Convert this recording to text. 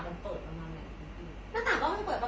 น้ำตากเราไม่เปิดประมาณเนี่ยค่ะ